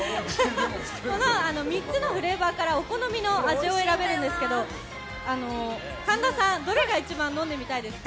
３つのフレーバーからお好みの味を選べるんですけど神田さん、どれが一番飲んでみたいですか？